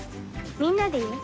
みんなでいう？